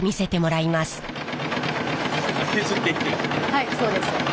はいそうです。